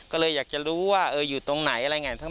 ก็เลยอยากจะรู้ว่าอยู่ตรงไหนอะไรไง